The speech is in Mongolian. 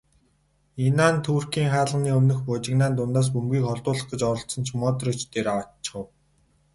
Инан Туркийн хаалганы өмнөх бужигнаан дундаас бөмбөгийг холдуулах гэж оролдсон ч Модрич дээр авааччихав.